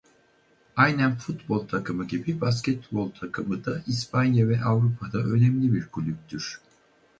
Aynen futbol takımı gibi basketbol takımı da İspanya ve Avrupa'da önemli bir kulüptür.